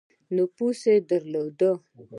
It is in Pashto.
نفوذ درلود.